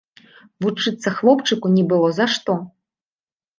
Вучыцца хлопчыку не было за што.